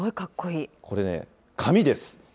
これね、紙です。